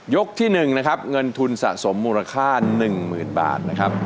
ที่๑นะครับเงินทุนสะสมมูลค่า๑๐๐๐บาทนะครับ